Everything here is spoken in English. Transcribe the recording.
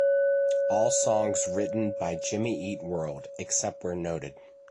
All songs written by Jimmy Eat World, except where noted.